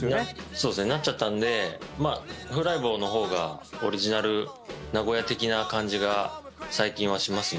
そうですねなっちゃったんで風来坊の方がオリジナル名古屋的な感じが最近はしますね。